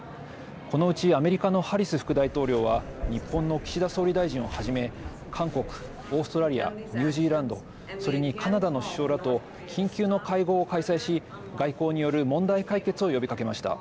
このうちアメリカのハリス副大統領は日本の岸田総理をはじめ韓国、オーストラリアニュージーランドそれに、カナダの首相らと緊急の会合を開催し外交による問題解決を呼びかけました。